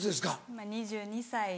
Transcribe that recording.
今２２歳。